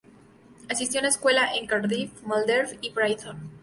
Asistió a la escuela en Cardiff, Malvern, y Brighton.